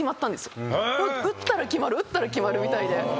打ったら決まる打ったら決まるみたいで。